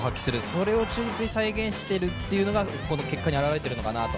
それを忠実に再現してるっていうのがこの結果に現れているのかなと。